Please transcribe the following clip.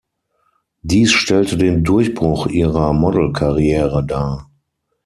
Dies stellte den Durchbruch ihrer Modelkarriere dar.